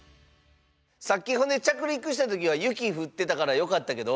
さっき着陸した時は雪降ってたからよかったけど。